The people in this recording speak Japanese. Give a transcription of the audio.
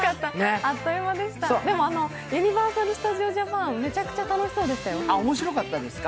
でも、ユニバーサル・スタジオ・ジャパン、めちゃくちゃ楽しかったですよ。